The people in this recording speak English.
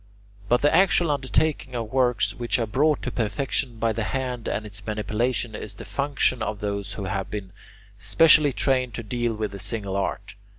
But the actual undertaking of works which are brought to perfection by the hand and its manipulation is the function of those who have been specially trained to deal with a single art.